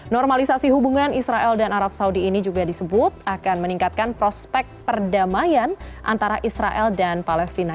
normalisasi hubungan israel dan arab saudi ini juga disebut akan meningkatkan prospek perdamaian antara israel dan palestina